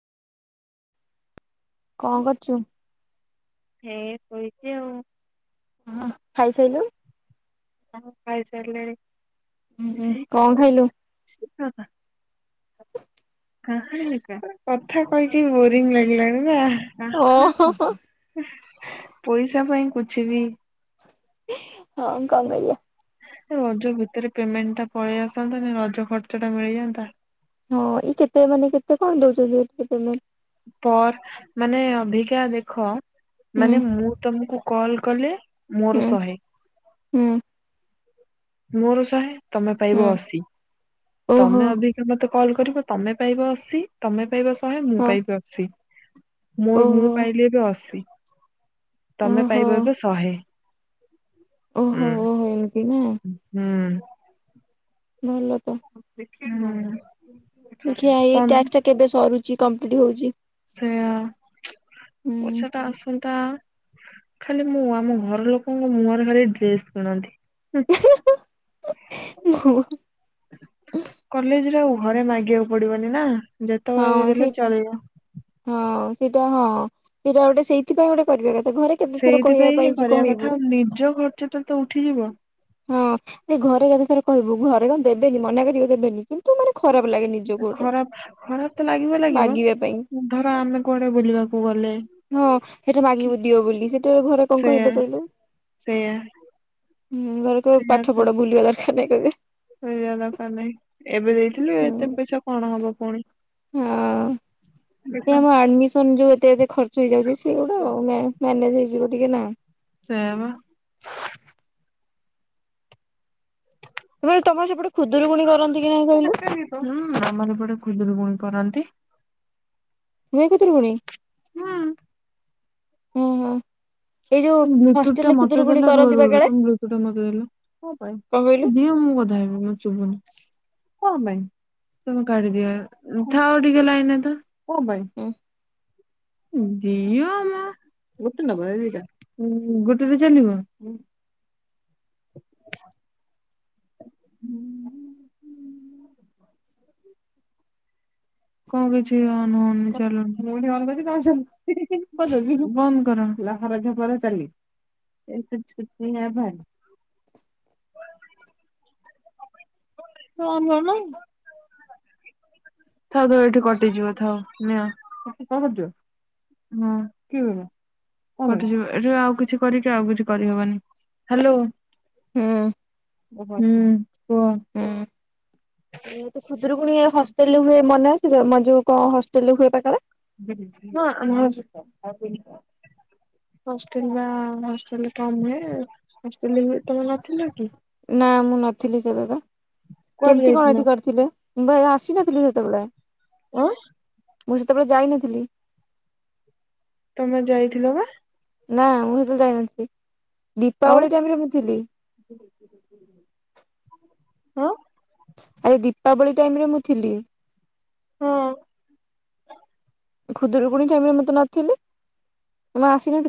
କଁ କରୁଚୁ। ଏ ଶୋଇଚି ଆଉ। ହଁ ଖାଇ ସାଇଲୁ। ହଁ ମୁଁ ଖାଇ ସାରିଲିଣି। ଉଁ ହୁଁ କଣ ଖାଇଲୁ? [unintelligible] [unintelligible] କଥା କହିକି ବୋରିଂ ଲାଗିଲାଣି ନା। ଓହୋ। [unintelligible] ପଇସା ପାଇଁ କୁଛ ବି। ହଁ କଁ କରିଆ। ରଜ ଭିତରେ ପେମେଣ୍ଟ ଟା ପଳେଇ ଆସନ୍ତାନି ରଜ ଖର୍ଚ୍ଚ ଟା ମିଳିଯାନ୍ତା। ହଁ ଏଇ କେତେ ମାନେ କେତେ କଣ ଦଉଛନ୍ତି ଏଇଥିରେ ପେମେଣ୍ଟ। ପର ମାନେ ଅବିକା ଦେଖ ହୁଁ ମାନେ ମୁଁ ତମକୁ କଲ କଲେ। ମୋର ହୁଁ ଶହେ। ହୁଁ। ମୋର ଶହେ ତମେ ପାଇବ ହୁଁ ଅଶୀ ଓହୋ ତମେ ଅବିକା ମତେ କଲ୍ କରିବ। ତମେ ପାଇବ ଅସି ତମେ ପାଇବ ଶହେ ମୁଁ ହଁ ପାଇବି ଅସି। ମୁଁ ମୁଁ ଓହୋ। ପାଇଲି ଏବେ ଅଶୀ ତମେ ଓହୋ ପାଇବ ଏବେ ଶହେ। ହୁଁ ଓହୋ ଓହୋ ଏମିତି ନା। ହୁଁ। ଭଲ ତ। [unintelligible] ହୁଁ। ଦେଖିଆ ଏଇ ଟାକ୍ସ ଟା କେବେ ସରୁଚି କମ୍ପ୍ଲିଟ ହଉଚି। ସେଇଆ ହୁଁ ପଇସାଟା ଆସନ୍ତା। ଖାଲି ମୁଁ ଆମ ଘର ଲୋକଙ୍କ ମୁହଁରେ ଖାଲି ଡ୍ରେସ୍ କିଣନ୍ତି। ହୁଁ [unintelligible] କଲେଜରେ ଆଉ ଘରେ ମାଗିବାକୁ ପଡିବନି ନା ଯେତେବେଳେ ବି ହଁ ସେ ଦେଲେ ଚଳିବ। ହଁ ସେଇଟା ହଁ ସେଇଟା ଗୋଟେ ସେଇଥିପାଇଁ ଗୋଟେ କରିବା କଥା ଘରେ କେତେ ଥର କହିବା ସେଇଥିପାଇଁ ହିଁ ପାଇଁ ଯେ କରିବା କଥା କହିବୁ ଆଉ ନିଜ ଖର୍ଚ୍ଚଟା ତ ଉଠିଯିବ। ହଁ ସେ ଘରେ କେତେଥର କହିବୁ ଘରେ କଣ ଦେବେକି ମନା କରିବେ ଦେବେନି କିନ୍ତୁ ମାନେ ଖରାପ ଲାଗେ ନି ଖରାପ ଖରାପ ତ ଲାଗିବ ଲାଗିବ ମାଗିବା ପାଇଁ ଧର ଆମେ କୁଆଡେ ବୁଲିବାକୁ ଗଲେ। ହଁ ସେଇଟା ମାଗିବୁ ଦିଅ ବୋଲି ସେତିକି ବେଳେ ଘରେ କଣ କହିବେ କହିଲୁ। ସେଇୟା। ହୁଁ ଘରେ କହିବେ ପାଠ ପଢ ବୁଲିବା ଦରକାର ନାଇଁ କହିବେ। [unintelligible] ଦରକାର ନାହିଁ ଏବେ ଦେଇଥିଲି ହୁଁ ଏତେ ପଇସା କଣ ହବ ପୁଣି। ହଁ। ଏଇ ଆମ ଆଡମିସନ ଯୋଉ ଏତେ ଏତେ ଖର୍ଚ୍ଚ ହେଇଯାଉଛି ସେଗୁଡା ମ୳୲ ମ୍ୟାନେଜ ହେଇଯିବ ଟିକେ ନା। ସେୟା ବା। [unintelligible] ତମର ସେପଟେ ଖୁଦୁରୁକୁୁଣି କରନ୍ତି କି ନାଇଁ କହିଲୁ। ହୁଁ ଆମର ଏପଟେ ଖୁଦୁର କୁଣି କରନ୍ତି। ହୁଏ ଖୁଦୁରୁକୁଣି ତମେ ଓ ହଁ। ଏଇ ଯୋଉ ତମ ବ୍ଲୁତୁ ଟା ହଷ୍ଟେଲରେ ମତେ ଖୁଦୁରୁକୁୁଣି ଦେଲ ରୁହ କରନ୍ତି ବା ରୁହ କାଳେ ତମ ବ୍ଲୁତୁଟା ମତେ ଦେଲ କଁ ପାଇଁ। କଣ କହିଲୁ ଦିଅ ମୁଁ କଥା ହେବି ମୁଁ ଚୁପୁକିନି। କଁ ପାଇଁ ତମେ କାଢିଦିଅ ଥାଅ ଟିକେ ଲାଇନ ତ କଁ ପାଇଁ। ଉଁ ଦିଅ ମ ଗୋଟେ ନବ ଦିଟା ଉଁ ଗୋଟେରେ ଚାଲିବ ହୁଁ। କଁ କିଛି ଅନ୍ ହଉନି ଚାଲୁନି। ଘରଛପର ଚାଲିଚି ଏ କୁଞ୍ଚୁ କୁଞ୍ଚିଆ ଭାରି। ହଁ ମୋର ନାହଁ। ଥାଉ ଥାଉ ଏଇଠି କଟିଯିବ ଥାଉ ନିଅି। ଉଠି ଯିବ ଏଠି ଆଉ କିଛି କରିକି ଆଉ କିଛି କରିହବନି। ହଁ। ହୁଁ କୁହ। ହୁଁ ଏବେ ତ ଖୁଦରୁକୁୁଣୀ ହଷ୍ଟେଲେ୍ ହୁଏ ମନେ ଅଛି ତ। ଯୋଉ କଣ ହଷ୍ଟେଲେ୍ ରେ ହୁଏ ପତାକାରେ? ହଁ। ହଷ୍ଟେଲେ୍ ବା ହଷ୍ଟେଲେ୍ କାମ ହୁଏ ହଷ୍ଟେଲେ୍ ତମେ ନଥିଲ କି? ନା ମୁଁ ନଥିଲି ସେବେ ବା। କୁଆଡେ କେମିତି କଣ ଯାଇଥିଲ ଏଠି କରିଥିଲେ ମୁଁ ପା ଆସିନଥିଲି ସେତେବେଳେ। ଆଁ ମୁଁ ସେତେବେଳେ ଯାଇନଥିଲି। ତମେ ଯାଇଥିଲ ବା? ନା ମୁଁ ସେତେବେଳେ ଯାଇନଥିଲି ଆଉ ଦୀପାବଳି ଟାଇମରେ ମୁଁ ଥିଲି। ହଁ। ଆରେ ଦୀପାବଳି ଟାଇମରେ ମୁଁ ଥିଲି। ହଁ। ଖୁଦୁରୁକୁୁଣୀ ଟାଇମ ରେ ମୁଁ ତ ନଥିଲି ମୁଁ ଆସିନଥିଲି।